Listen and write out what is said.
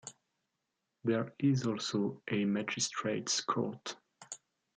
There is also a Magistrates' court.